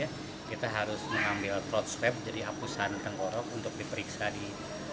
jadi kita harus mengambil throat swab jadi hapusan tenggorok untuk diperiksa di laboratorium